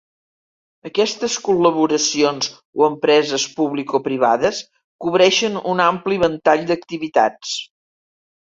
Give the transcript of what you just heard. Aquestes col·laboracions o empreses publicoprivades cobreixen un ampli ventall d'activitats.